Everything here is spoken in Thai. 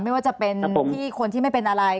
ไม่ว่าจะเป็นที่คนที่ไม่เป็นอะไร